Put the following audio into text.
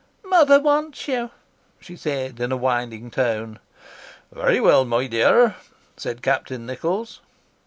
"Mother wants you," she said, in a whining tone. "Very well, my dear," said Captain Nichols.